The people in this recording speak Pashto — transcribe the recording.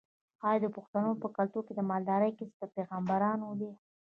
آیا د پښتنو په کلتور کې د مالدارۍ کسب د پیغمبرانو نه دی؟